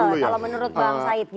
kalau menurut bang said gimana